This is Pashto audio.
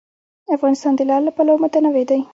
افغانستان د لعل له پلوه متنوع دی.